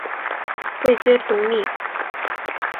位阶统领。